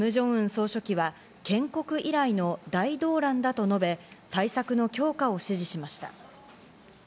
総書記は建国以来の大動乱だと述べ、対策の強化を指示しました。